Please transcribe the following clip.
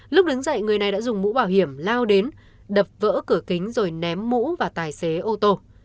lúc đứng dậy người này đã dùng mũ bảo hiểm lao đến đập vỡ cửa kính rồi ném mũ vào tài xế ô tô